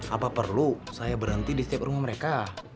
apa perlu saya berhenti di setiap rumah mereka